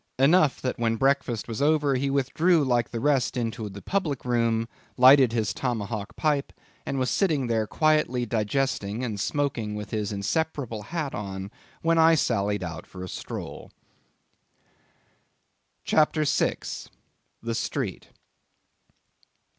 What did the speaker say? Enough, that when breakfast was over he withdrew like the rest into the public room, lighted his tomahawk pipe, and was sitting there quietly digesting and smoking with his inseparable hat on, when I sallied out for a stroll. CHAPTER 6. The Street.